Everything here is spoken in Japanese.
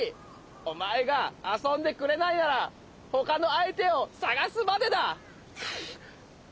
おまえがあそんでくれないならほかのあいてをさがすまでだ。